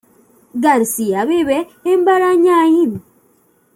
García vive en Barañáin.